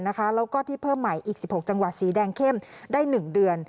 แล้วก็ที่เพิ่มใหม่อีก๑๖จังหวัดสีแดงเข้มได้๑เดือน